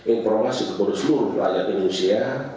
informasi kepada seluruh rakyat indonesia